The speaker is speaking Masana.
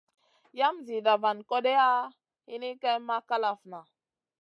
Yam zida van kodeya hini ken ma kalafna.